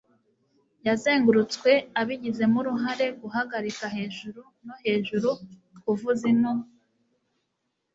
yazengurutswe abigizemo uruhare guhagarika hejuru no hejuru kuvuza ino